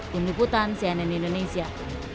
tim liputan cnn indonesia